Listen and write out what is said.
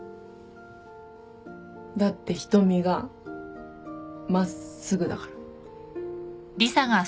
だって瞳が真っすぐだから。